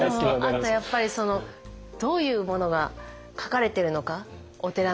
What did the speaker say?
あとやっぱりどういうものが書かれてるのかお寺の鐘に。